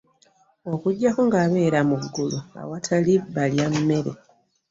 Okuggyako ngabeera mu Ggulu awatali balya mmere.